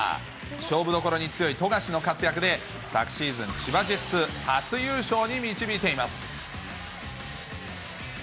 勝負どころに強い富樫の活躍で、昨シーズン、千葉ジェッツ、初優勝に導いています。